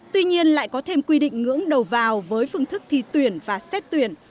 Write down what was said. tuy nhiên lại có thêm quy định ngưỡng đầu vào với phương thức thi tuyển và xét tuyển